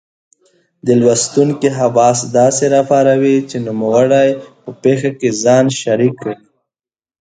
د لوستونکې حواس داسې را پاروي چې نوموړی په پېښه کې ځان شریک ګڼي.